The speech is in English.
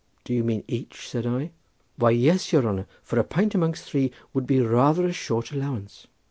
"Do you mean each?" said I. "Why, yes! your honour, for a pint amongst three would be rather a short allowance."